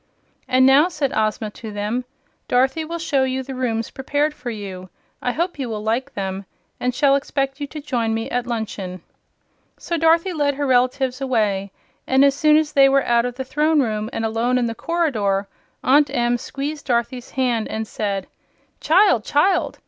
"And now," said Ozma to them, "Dorothy will show you the rooms prepared for you. I hope you will like them, and shall expect you to join me at luncheon." So Dorothy led her relatives away, and as soon as they were out of the Throne Room and alone in the corridor, Aunt Em squeezed Dorothy's hand and said: "Child, child!